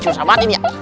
susah banget ini ya